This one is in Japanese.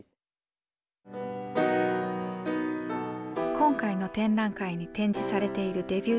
今回の展覧会に展示されているデビュー